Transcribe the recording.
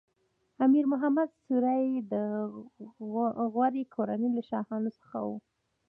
امیر محمد سوري د غوري کورنۍ له شاهانو څخه و.